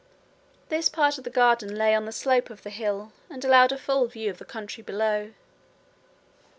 This part of the garden lay on the slope of the hill and allowed a full view of the country below.